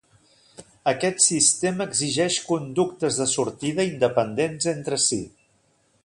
Aquest sistema exigeix conductes de sortida independents entre si.